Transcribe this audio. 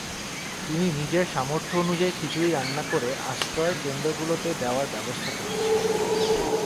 তিনি নিজের সামর্থ্য অনুযায়ী খিচুড়ি রান্না করে আশ্রয়কেন্দ্রগুলোতে দেওয়ার ব্যবস্থা করছেন।